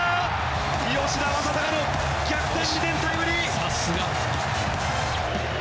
吉田正尚の２点タイムリー！